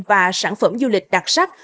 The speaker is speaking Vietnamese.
và sản phẩm du lịch đặc sắc